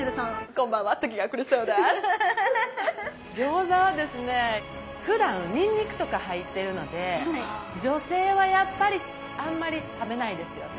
餃子はですねふだんにんにくとか入ってるので女性はやっぱりあんまり食べないですよね。